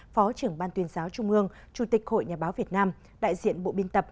phó trưởng ban tuyên giáo trung ương chủ tịch hội nhà báo việt nam đại diện bộ biên tập